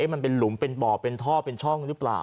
มันเป็นหลุมเป็นบ่อเป็นท่อเป็นช่องหรือเปล่า